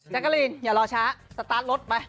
กะลีนอย่ารอช้าสตาร์ทรถไป